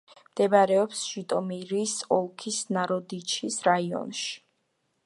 მდებარეობს ჟიტომირის ოლქის ნაროდიჩის რაიონში.